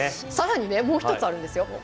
さらに、もう１つあるんですよ。